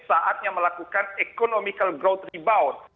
saatnya melakukan economical growth rebound